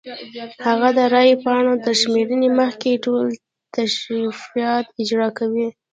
هغه د رای پاڼو تر شمېرنې مخکې ټول تشریفات اجرا کوي.